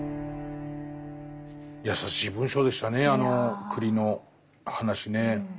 優しい文章でしたねあの栗の話ね。